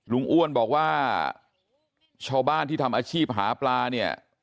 อ้วนบอกว่าชาวบ้านที่ทำอาชีพหาปลาเนี่ย